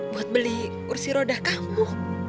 buat beli kursi roda kamu